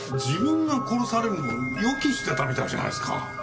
自分が殺されるのを予期してたみたいじゃないですか。